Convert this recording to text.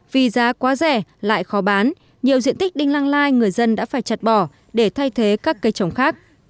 vì giá quá rẻ lại khó bán nhiều diện tích đinh lăng lai người dân đã phải chặt bỏ để thay thế các cây trồng khác